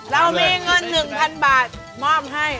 เรามีเงิน๑๐๐๐บาทมอบให้